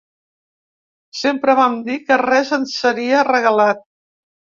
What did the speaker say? Sempre vam dir que res ens seria regalat.